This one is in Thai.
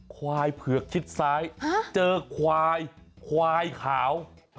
ควายเผือกชิดซ้ายเจอควายควายขาว